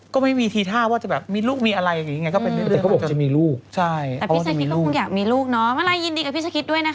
ก็ไม่มีทีท่าว่าจะแบบมีลูกมีอะไรอย่างนี้ไงก็เป็นเรื่องแต่พี่ชะคริตก็คงอยากมีลูกเนาะเมื่อไหร่ยินดีกับพี่ชะคริตด้วยนะคะ